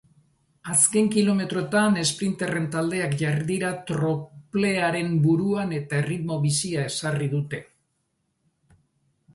Azken kilometroetan esprinterren taldeak jarri dira troplearen buruan eta erritmo bizia ezarri dute.